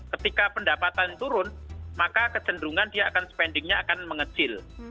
ketika pendapatan turun maka kecenderungan dia akan spendingnya akan mengecil